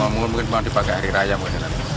mungkin mau dibagai hari raya mungkin